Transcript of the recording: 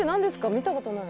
見たことない。